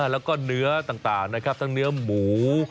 แล้วก็เนื้อต่างนะครับทั้งเนื้อหมู